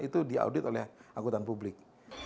itu diaudit oleh angkutan publik